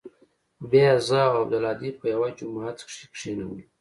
بيا يې زه او عبدالهادي په يوه جماعت کښې کښېنولو.